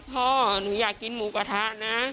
พ่อหนูอยากกินหมูกระทะนะ